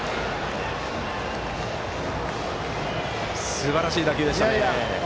すばらしい打球でしたね。